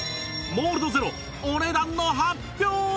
モールドゼロお値段の発表です